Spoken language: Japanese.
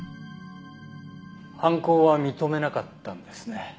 犯行は認めなかったんですね。